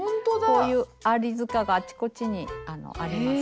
こういう「アリ塚」があちこちにあります。